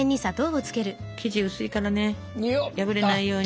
生地薄いからね破れないように。